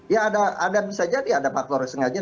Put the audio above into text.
ya ada bisa jadi ada faktor sengaja